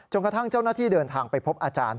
กระทั่งเจ้าหน้าที่เดินทางไปพบอาจารย์